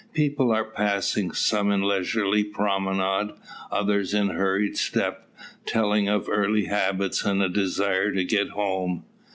People are passing, some in leisurely promenade, others in hurried step, telling of early habits and a desire to get home.